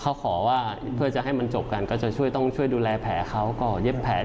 เขาขอว่าเพื่อจะให้มันจบกันก็จะช่วยต้องช่วยดูแลแผลเขาก็เย็บแผล